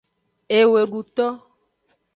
Eweduto.